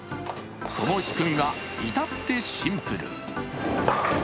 その仕組みは至ってシンプル。